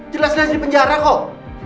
jelas jelas di penjara kok